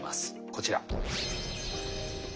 こちら。